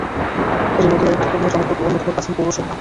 এটি নদীয়ার একটি পুরোনো জনপদ ও অন্যতম প্রাচীন পৌরসভা।